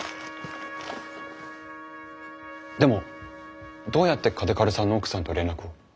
でもどうやって嘉手刈さんの奥さんと連絡を？